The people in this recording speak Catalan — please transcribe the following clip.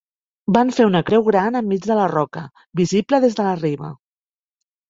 Van fer una creu gran enmig de la roca, visible des de la riba.